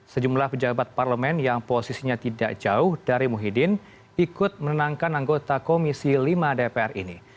sejumlah pejabat parlemen yang posisinya tidak jauh dari muhyiddin ikut menenangkan anggota komisi lima dpr ini